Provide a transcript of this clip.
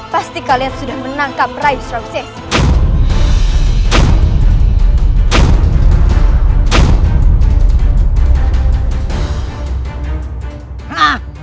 pasti kalian sudah menangkap rai sravisesara